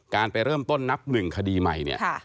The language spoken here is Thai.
การไปเริ่มต้นหนับหนึ่งคดีมานี้